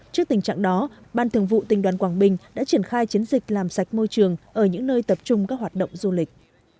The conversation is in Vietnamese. trước tình trạng đó ban thường vụ tỉnh đoàn quảng bình đã triển khai chiến dịch làm sạch môi trường ở những nơi tập trung các hoạt động du lịch